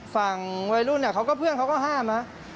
ฝั่งวัยรุ่นเขาก็เพื่อนเขาก็ห้ามนะ